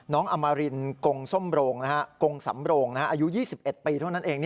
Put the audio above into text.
น้องอมรินกงสมโรงอายุ๒๑ปีเท่านั้นเอง